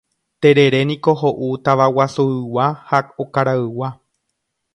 Tereréniko ho'u tavaguasuygua ha okaraygua.